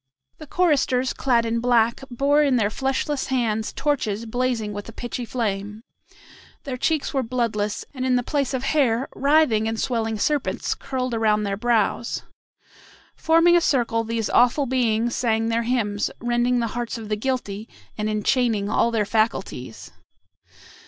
The choristers, clad in black, bore in their fleshless hands torches blazing with a pitchy flame. Their cheeks were bloodless, and in place of hair writhing and swelling serpents curled around their brows. Forming a circle, these awful beings sang their hymns, rending the hearts of the guilty, and enchaining all their faculties.